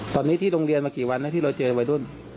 ตอนนี้ที่โรงเรียนมากี่วันนะที่เราเจอวัยรุ่น